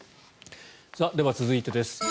では、続いてです。